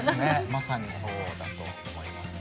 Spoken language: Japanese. まさにそうだと思いますね。